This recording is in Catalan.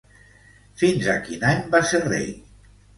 Fins a quin any va ser rei?